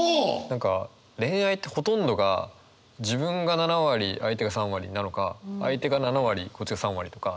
何か恋愛ってほとんどが自分が７割相手が３割なのか相手が７割こっちが３割とか。